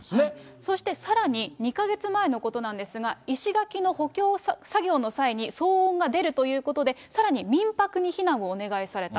そしてさらに、２か月前のことなんですが、石垣の補強作業の際に、騒音が出るということで、さらに民泊に避難をお願いされた。